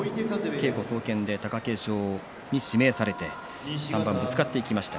稽古総見で貴景勝に指名されて３番ぶつかっていきました。